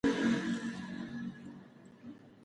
ورزش د اعصابو د ارامتیا لپاره ډېر مهم دی.